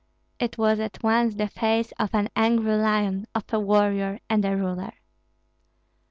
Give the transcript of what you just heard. It was at once the face of an angry lion, of a warrior, and a ruler.